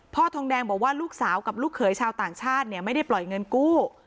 ทองแดงบอกว่าลูกสาวกับลูกเขยชาวต่างชาติเนี่ยไม่ได้ปล่อยเงินกู้